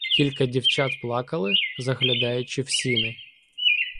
Кілька дівчат плакали, заглядаючи в сіни.